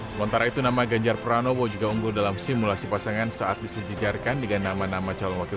sementara itu nama ganjar pranowo juga unggul dalam simulasi pasangan saat disejejarkan dengan nama nama calon wakil